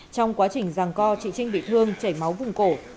trong quá trình ràng co chị trinh bị thương chảy máu vùng cổ